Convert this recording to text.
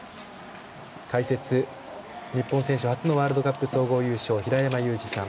解説、日本選手初のワールドカップ総合優勝平山ユージさん。